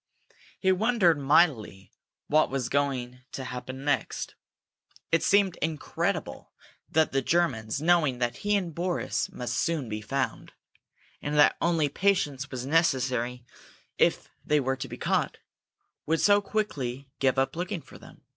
He wondered mightily what was going to happen next. It seemed incredible that the Germans, knowing that he and Boris must soon be found, and that only patience was necessary if they were to be caught, would so quickly give up looking for them.